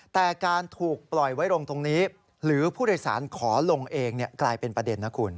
แต่การถูกปล่อยไว้ลงตรงนี้หรือผู้โดยสารขอลงเองกลายเป็นประเด็นนะคุณ